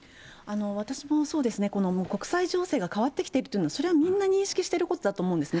私もそうですね、国際情勢が変わってきているというのはそれはみんな認識していることだと思うんですね。